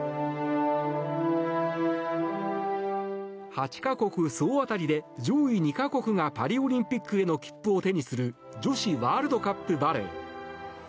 ８か国総当たりで上位２か国がパリオリンピックへの切符を手にする女子ワールドカップバレー。